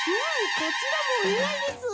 こちらもおにあいです！